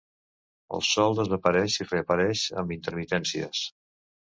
El sol desapareix i reapareix amb intermitències.